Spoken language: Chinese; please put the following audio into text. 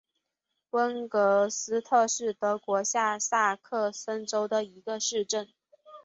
温格斯特是德国下萨克森州的一个市镇。